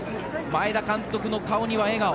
前田監督の顔には笑顔。